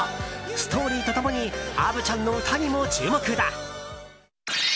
ストーリーと共にアヴちゃんの歌にも注目だ。